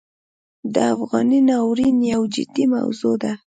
د افغانۍ ناورین یو جدي موضوع ده.